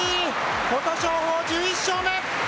琴勝峰１１勝目。